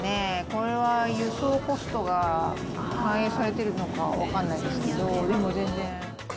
これは輸送コストが反映されてるのか分かんないですけど、でも全然。